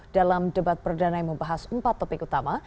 dalam debat perdana yang membahas empat topik utama